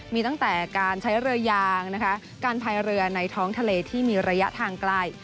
มีตั้งแต่การใช้เรือยางนะคะการพายเรือในท้องทะเลที่มีระยะทางไกล